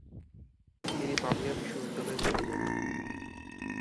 তিনি পাভিয়া বিশ্ববিদ্যালয়ে চলে যান।